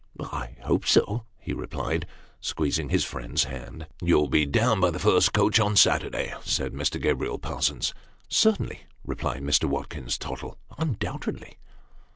" I hope so," he replied, squeezing his friend's hand. "Yon' 11 be down by the first coach on Saturday," said Mr. Gabriel Parsons. " Certainly," replied Mr. Watkins Tottle. " Undoubtedly."